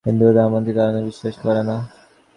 হিন্দুরা ধর্মান্তরিত-করণে বিশ্বাস করে না।